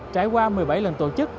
trải qua một mươi bảy lần tổ chức